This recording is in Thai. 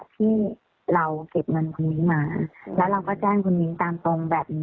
ดีสวยในส่วนนั้นไม่ได้มีปัญหา